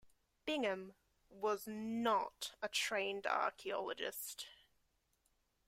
Bingham was not a trained archaeologist.